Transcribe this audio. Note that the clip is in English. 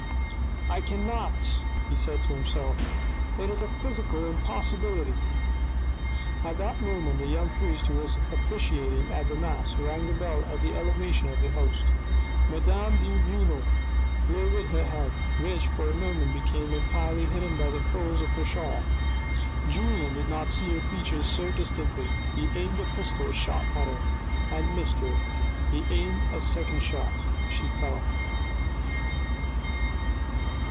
" I cannot," he said to himself. " It is a physical impossibility." At that moment the young priest, who was officiating at the Mass, rang the bell for the elevation of the host. Madame de Renal lowered her head, which, for a moment became entirely hidden by the folds of her shawl. Julien did not see her features so distinctly : he aimed a pistol shot at her, and missed her : he aimed a second shot, she fell.